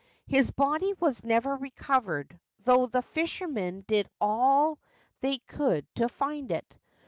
His body was never recovered, though the fishermen did all they could to find it.